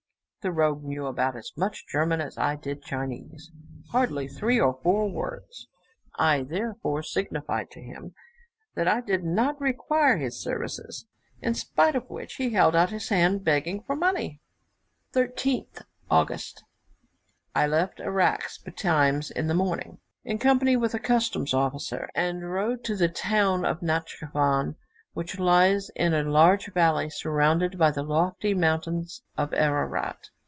The rogue knew about as much German as I did Chinese hardly three or four words. I therefore signified to him that I did not require his services, in spite of which he held out his hand, begging for money. 13th August. I left Arax betimes in the morning, in company with a customs' officer, and rode to the town of Natschivan, which lies in a large valley, surrounded by the lofty mountains of Ararat.